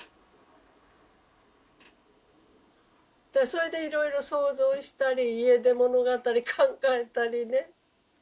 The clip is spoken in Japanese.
それでいろいろ想像したり家出物語考えたりね。